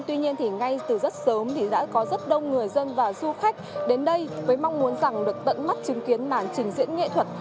tuy nhiên thì ngay từ rất sớm thì đã có rất đông người dân và du khách đến đây với mong muốn rằng được tận mắt chứng kiến màn trình diễn nghệ thuật